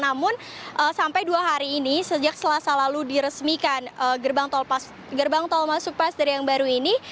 namun sampai dua hari ini sejak selasa lalu diresmikan gerbang tol masuk paster yang baru ini